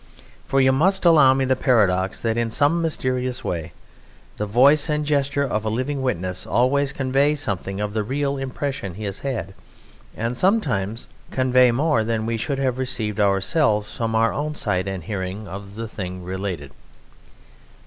For you must allow me the paradox that in some mysterious way the voice and gesture of a living witness always convey something of the real impression he has had, and sometimes convey more than we should have received ourselves from our own sight and hearing of the thing related.